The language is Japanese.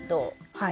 はい。